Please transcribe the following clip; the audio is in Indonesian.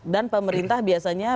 dan pemerintah biasanya